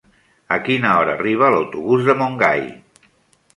A quina hora arriba l'autobús de Montgai?